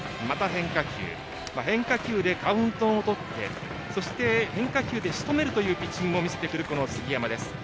変化球でカウントをとってそして変化球でしとめるというピッチングを見せる杉山です。